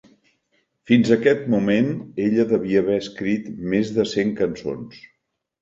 Fins aquest moment, ella devia haver escrit més de cent cançons.